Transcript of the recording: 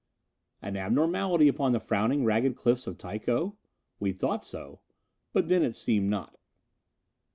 An abnormality upon the frowning ragged cliffs of Tycho? We thought so. But then it seemed not.